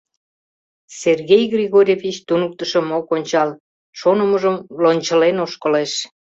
Сергей Григорьевич туныктышым ок ончал, шонымыжым лончылен ошкылеш.